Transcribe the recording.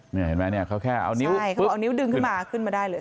เห็นมั้ยเนี่ยเขาแค่เอานิ้วดึงขึ้นมาได้เลย